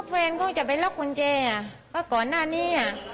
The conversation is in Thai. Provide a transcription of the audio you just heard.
ก็เพลงก็จะไปล๊อคกุญเจอ่ะก็ก่อนหน้านี้อ่ะ